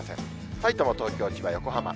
さいたま、東京、千葉、横浜。